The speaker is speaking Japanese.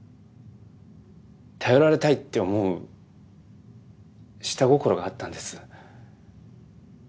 頼られたいって思う下心があったんです。